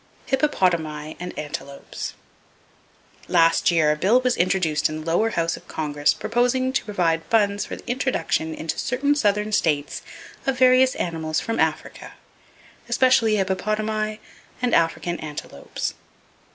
Hippopotami And Antelopes. —Last year a bill was introduced in the lower House of Congress proposing to provide funds for the introduction into certain southern states of various animals from Africa, especially hippopotami and African antelopes.